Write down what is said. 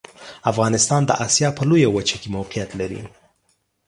افغانستان د اسیا په لویه وچه کې موقعیت لري.